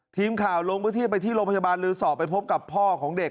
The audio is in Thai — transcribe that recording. ทีมข่าวลงพื้นที่ไปที่โรงพยาบาลลือสอบไปพบกับพ่อของเด็ก